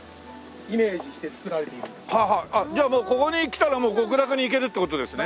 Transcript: じゃあもうここに来たら極楽に行けるって事ですね。